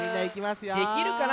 できるかな？